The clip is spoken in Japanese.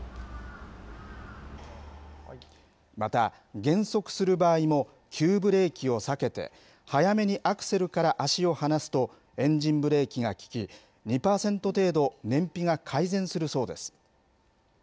また減速する場合も急ブレーキを避けて、早めにアクセルから足を離すとエンジンブレーキがきき、２％程度燃費が改善するそうです。